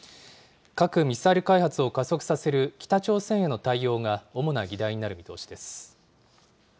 核・ミサイル開発を加速させる北朝鮮への対応が主な議題になる見通しです。